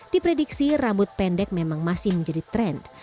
diprediksi rambut pendek memang masih menjadi tren